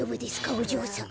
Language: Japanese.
おじょうさま。